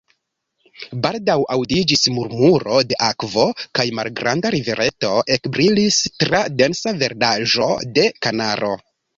Baldaŭ aŭdiĝis murmuro de akvo, kaj malgranda rivereto ekbrilis tra densa verdaĵo de kanaro.